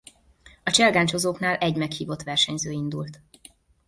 A cselgáncsozóknál egy meghívott versenyző indult.